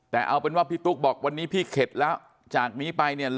แต่เอาเป็นว่าพี่ตุ๊กบอกวันนี้พี่เข็ดแล้วจากนี้ไปเนี่ย